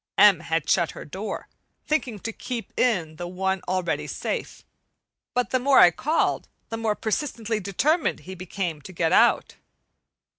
M. had shut her door, thinking to keep in the one already safe. But the more I called, the more persistently determined he became to get out.